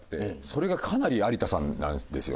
それがかなり有田さんなんですよ。